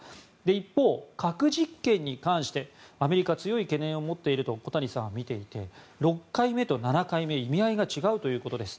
一方、核実験に関してアメリカは強い懸念を持っていると小谷さんは見ていて６回目と７回目は意味合いが違うということです。